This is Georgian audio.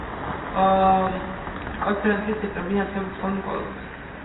კონფერენციას ესწრებოდნენ ასევე უცხოელი მკვლევარებიც.